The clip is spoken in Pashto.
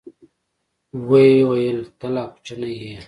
ويې ويل ته لا کوچنى يې.